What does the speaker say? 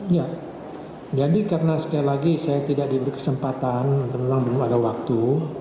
ya jadi karena sekali lagi saya tidak diberi kesempatan memang belum ada waktu